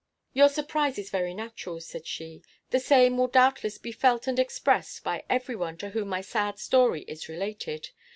"Your surprise is very natural," said she. "The same will doubtless be felt and expressed by every one to whom my sad story is related.